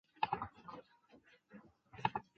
改名动机最常见为改运等社会惯习迷信。